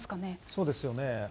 そうですよね。